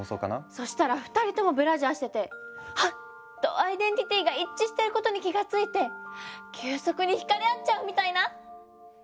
そしたら２人ともブラジャーしてて「はっ！」とアイデンティティーが一致してることに気が付いて急速に惹かれ合っちゃうみたいな？